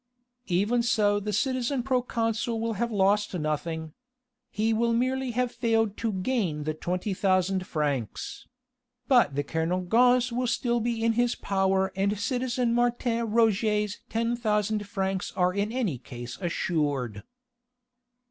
"Even so the citizen proconsul will have lost nothing. He will merely have failed to gain the twenty thousand francs. But the Kernogans will still be in his power and citizen Martin Roget's ten thousand francs are in any case assured."